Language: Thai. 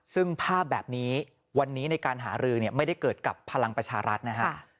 ซึ่งภาพแบบนี้วันนี้ในการหารือไม่ได้เกิดกับพลังประชารัฐนะฮะ